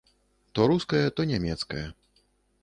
То рускае, то нямецкае.